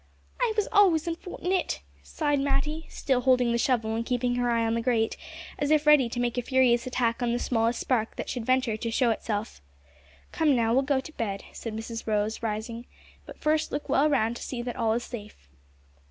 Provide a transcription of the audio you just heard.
"I was always unfort'nit," sighed Matty, still holding the shovel and keeping her eye on the grate, as if ready to make a furious attack on the smallest spark that should venture to show itself. "Come, now, we'll go to bed," said Mrs Rose, rising, "but first look well round to see that all is safe."